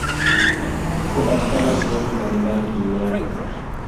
Hupatikana sehemu mbalimbali duniani.